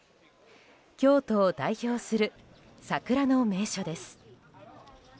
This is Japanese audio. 京都を代表する桜の名所です。